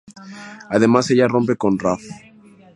Además, ella rompe con Raff.